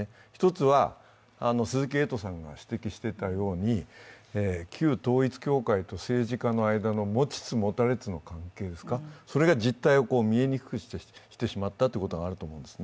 １つは、鈴木エイトさんが指摘していたように、旧統一教会と政治家の間の持ちつ持たれつの関係、それが実態を見えにくくしてしまったということがあると思います。